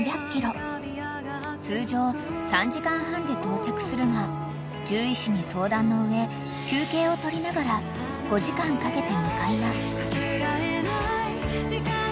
［通常３時間半で到着するが獣医師に相談の上休憩をとりながら５時間かけて向かいます］